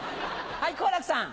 はい好楽さん。